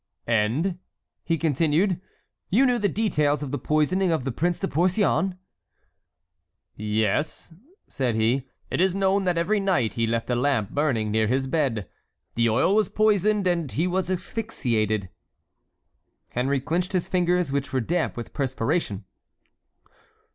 "And," he continued, "you knew the details of the poisoning of the Prince de Porcian?" "Yes," said he. "It is known that every night he left a lamp burning near his bed; the oil was poisoned and he was asphyxiated." Henry clinched his fingers, which were damp with perspiration.